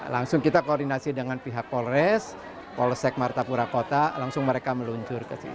langsung kita koordinasi dengan pihak polres polsek martapura kota langsung mereka meluncur ke sini